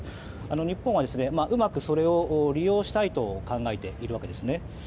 日本はうまくそれを利用したいと考えているわけです。